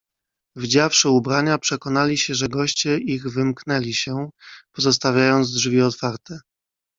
"Wdziawszy ubrania, przekonali się, że goście ich wymknęli się, pozostawiając drzwi otwarte."